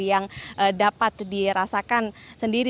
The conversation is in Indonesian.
yang dapat dirasakan sendiri